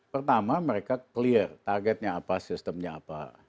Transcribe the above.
pertama mereka clear targetnya apa sistemnya apa